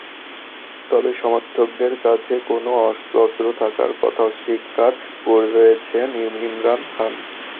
তবে সমর্থকদের কাছে কোনো অস্ত্র থাকার কথা অস্বীকার করেছেন ইমরান খান।